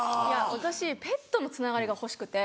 私ペットのつながりが欲しくて。